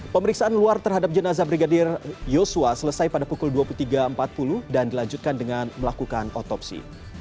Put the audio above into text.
pemeriksaan luar terhadap jenazah brigadir yosua selesai pada pukul dua puluh tiga empat puluh dan dilanjutkan dengan melakukan otopsi